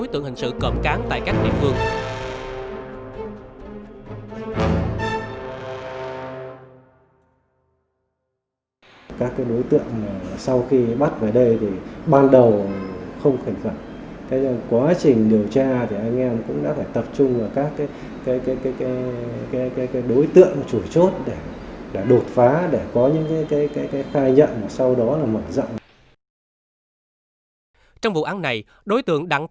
trước áp sảnh milliards